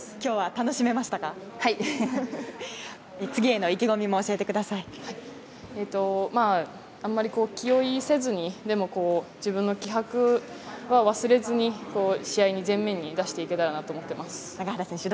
次への意気込みもあんまり気負いせずにでも、自分の気迫は忘れずに試合で前面に出していけたらなと思います。